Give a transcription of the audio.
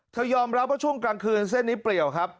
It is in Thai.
ยอมรับว่าช่วงกลางคืนเส้นนี้เปรียวครับ